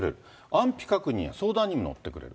安否確認や相談にも乗ってくれる。